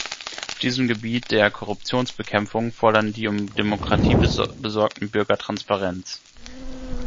Auf diesem Gebiet der Korruptionsbekämpfung fordern die um Demokratie besorgten Bürger Transparenz.